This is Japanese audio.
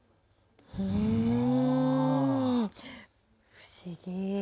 不思議。